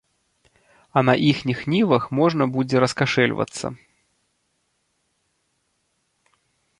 А на іхніх нівах можна будзе раскашэльвацца.